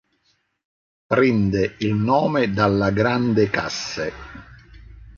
Prende il nome dalla Grande Casse.